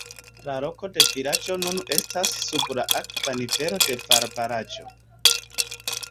La loko de vilaĝo nune estas sub la akva nivelo de valbaraĵo.